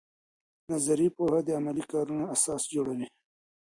نظري پوهه د عملي کارونو اساس جوړوي.